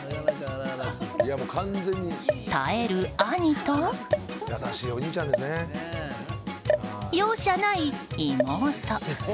耐える兄と、容赦ない妹。